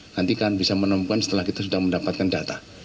nanti kan bisa menemukan setelah kita sudah mendapatkan data